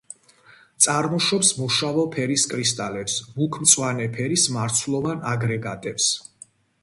წარმოშობს მოშავო ფერის კრისტალებს, მუქ მწვანე ფერის მარცვლოვან აგრეგატებს.